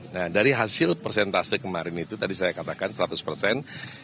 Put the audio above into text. nah dari hasil persentase kemarin itu tadi saya katakan seratus persen